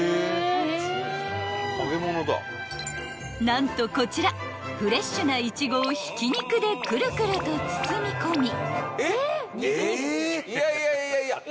［何とこちらフレッシュなイチゴをひき肉でクルクルと包み込み］